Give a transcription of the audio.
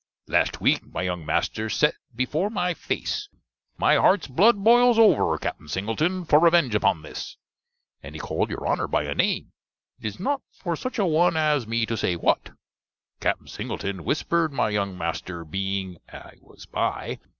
Last week my younge master sed before my fase, My harte's blood boils over, Capten Singleton, for revenge upon this and he called your Honner by a name it is not for such a won as me to say what. Capten Singleton whispred my younge master, being I was by.